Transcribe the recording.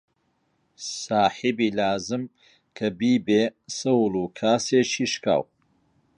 ساحیبی لازم کە بیبێ سەوڵ و کاسێکی شکاو